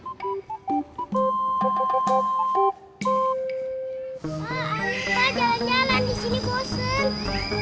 pak ayo pak jalan jalan disini bosan